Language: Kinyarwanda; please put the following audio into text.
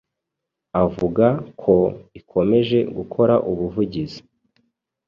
Avuga ko ikomeje gukora ubuvugizi